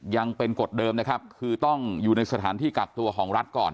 ยังเป็นกฎเดิมนะครับคือต้องอยู่ในสถานที่กักตัวของรัฐก่อน